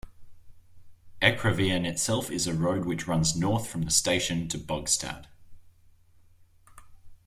Ekraveien itself is a road which runs north from the station to Bogstad.